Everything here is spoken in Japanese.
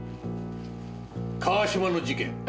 川島の事件。